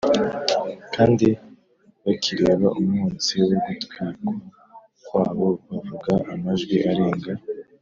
kandi bakireba umwotsi wo gutwikwa kwawo bavuga amajwi arenga